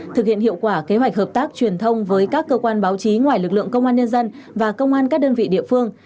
thực hiện hiệu quả kế hoạch hợp tác truyền thông với các cơ quan báo chí ngoài lực lượng công an nhân dân và công an các đơn vị địa phương